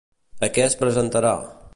A què es presentarà?